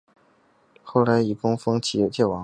后来以功封偕王。